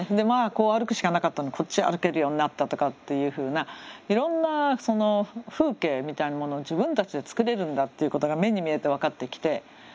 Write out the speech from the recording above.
こう歩くしかなかったのにこっち歩けるようになったとかっていうふうないろんな風景みたいなものを自分たちで作れるんだっていうことが目に見えて分かってきて。